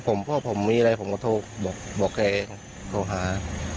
ก็ผมเพราะว่าผมมีอะไรผมก็โทรบอกบอกแกเองเขาหา